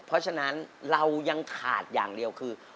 เพราะฉะนั้นเรายังขาดอย่างเดียวคือ